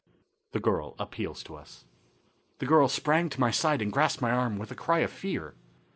The Girl Appeals to Us. The girl sprang to my side and grasped my arm with a cry of fear.